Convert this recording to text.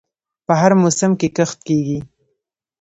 په هر موسم کې کښت کیږي.